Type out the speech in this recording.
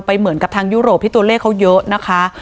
เหมือนกับทางยุโรปที่ตัวเลขเขาเยอะนะคะ